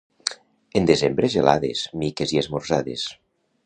En desembre gelades, miques i esmorzades.